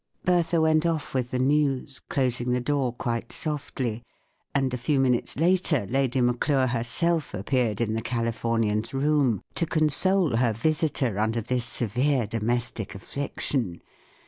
Bertha went off with the new T s, closing the door quite softly; and a few minutes later I^ady Maclure herself appeared in the Californian's room, to console her visitor under this severe domestic affliction.